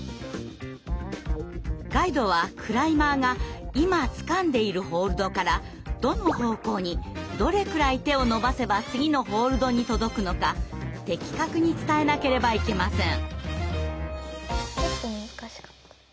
ガイドはクライマーが今つかんでいるホールドからどの方向にどれくらい手を伸ばせば次のホールドに届くのか的確に伝えなければいけません。